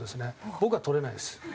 僕は捕れないです。